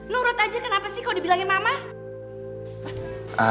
nurut aja kenapa sih kok dibilangin mama